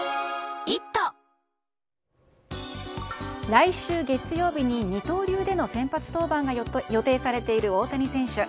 来週月曜日に二刀流での先発登板が予定されている大谷選手。